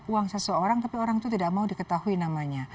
uang seseorang tapi orang itu tidak mau diketahui namanya